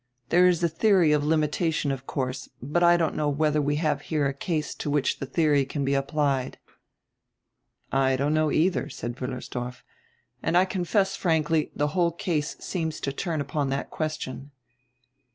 There is a dieory of limitation, of course, but I don't know whether we have here a case to which the theory can be applied." "I don't know, either," said Wiillersdorf. "And I con fess frankly, the whole case seems to turn upon that question."